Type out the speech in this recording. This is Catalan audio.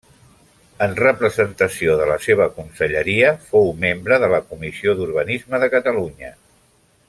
En representació de la seva conselleria fou membre de la Comissió d'Urbanisme de Catalunya.